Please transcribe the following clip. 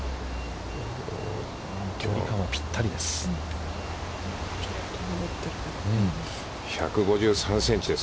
距離感はぴったりです。